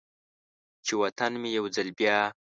چې و طن مې یو ځل بیا،